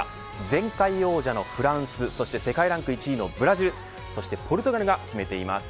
前回王者のフランスそして世界ランク１位のブラジルそしてポルトガルが決めています。